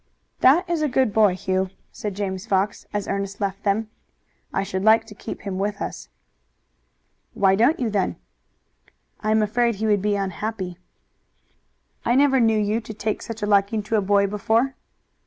"That is a good boy, Hugh," said James Fox, as Ernest left them. "I should like to keep him with us." "Why don't you then?" "I am afraid he would be unhappy." "I never knew you to take such a liking to a boy before."